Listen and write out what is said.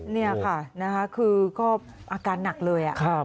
นี่ค่ะคือก็อาการหนักเลย